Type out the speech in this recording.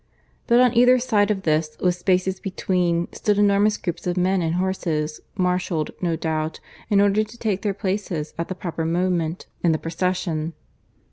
But on either side of this, with spaces between, stood enormous groups of men and horses, marshalled, no doubt, in order to take their places at the proper moment in the procession.